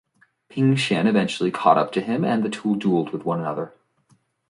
Ping Xian eventually caught up to him and the two duelled with one another.